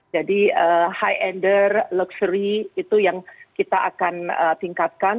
jadi high end luxury itu yang kita akan tingkatkan